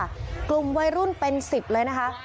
กลุ่มวัยรุ่นเป็น๑๐เลยนะคะ